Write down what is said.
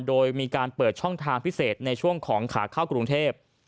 โดยมีการเปิดช่องทางพิเศษในช่วงของขาเข้ากรุงเทพ